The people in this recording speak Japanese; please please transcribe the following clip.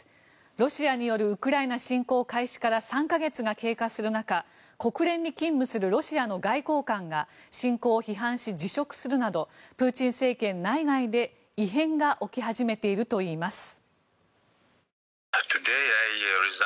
ロシアによるウクライナ侵攻開始から３か月が経過する中国連に勤務するロシアの外交官が侵攻を批判し、辞職するなどプーチン政権内外で異変が起き始めているといいます。